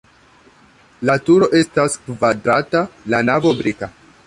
La turo estas kvadrata, la navo brika.